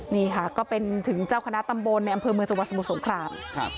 นี่ค่ะก็เป็นถึงเจ้าคณะตำบลในอำเภอเมืองจังหวัดสมุทรสงคราม